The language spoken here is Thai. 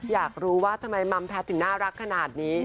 อยากรู้ว่าทำไมมัมแพทย์ถึงน่ารักขนาดนี้